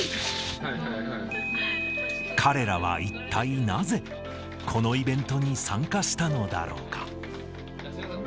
彼らは一体なぜ、このイベントに参加したのだろうか。